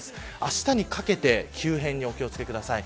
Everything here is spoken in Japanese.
あしたにかけて急変にお気を付けください。